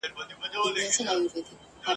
مه پرېږدئ چي نجوني له تعلیمه بې برخي سي.